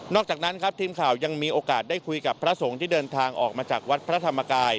จากนั้นครับทีมข่าวยังมีโอกาสได้คุยกับพระสงฆ์ที่เดินทางออกมาจากวัดพระธรรมกาย